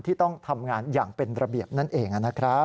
ที่ต้องทำงานอย่างเป็นระเบียบนั่นเองนะครับ